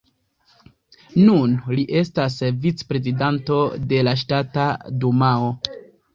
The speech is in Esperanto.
Nun li estas vicprezidanto de la Ŝtata Dumao.